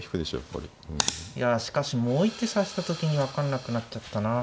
いやしかしもう一手指した時に分かんなくなっちゃったな。